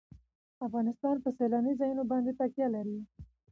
افغانستان په سیلانی ځایونه باندې تکیه لري.